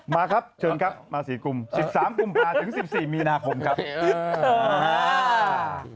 มาครับเชิญครับมา๔กุม๑๓กุมภาถึง๑๔มีนาคมครับ